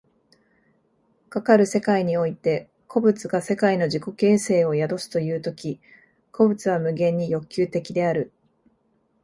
かかる世界において個物が世界の自己形成を宿すという時、個物は無限に欲求的である。